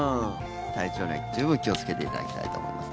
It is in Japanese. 体調面十分気をつけていただきたいと思います。